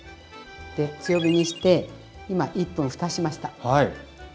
強火にして今１分ふたしました。